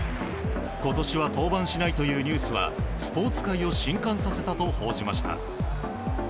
ことしは登板しないというニュースは、スポーツ界をしんかんさせたと報じました。